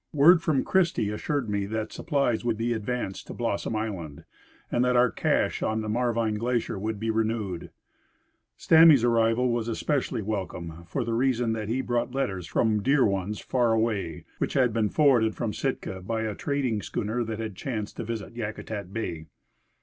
Word from Christie assured me that supplies would be advanced to Blossom island, and that our cache on the Marvine glacier would be renewed. Stamy's arrival was especially welcome for the reason that he brought letters from dear ones far away, which had been forwarded from Sitka by a trading schooner that chanced to visit Yakutat bay.